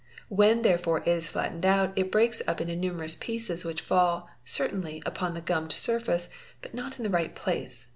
When therefore it is flattened out, breaks up into numerous pieces which fall, certainly upon the gummed : wface, but not in the right place.